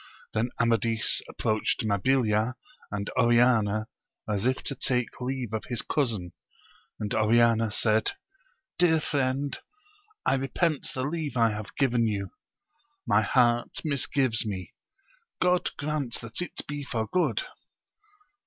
Then Amadis approached Mabilia and Oriana, as if to take leave of his cousin, and Oriana said, dear friend, I repent the leave I have given you ; my heart misgives me : God grant that it be for good